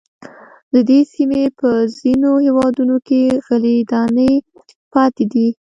د دې سیمې په ځینو هېوادونو کې غلې دانې پاتې دي.